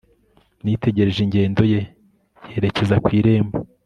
nitegereje ingendo ye yerekeza ku irembo